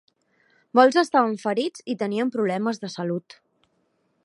Molts estaven ferits i tenien problemes de salut.